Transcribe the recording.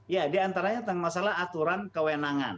ya diantaranya tentang masalah aturan kewenangan